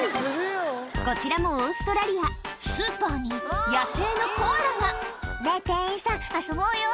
こちらもオーストラリアスーパーに野生のコアラが「ねぇ店員さん遊ぼうよ」